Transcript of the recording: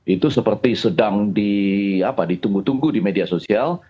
itu seperti sedang ditunggu tunggu di media sosial